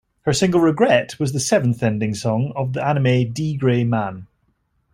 Her single "Regret" was the seventh ending song of the anime "D. Gray-man".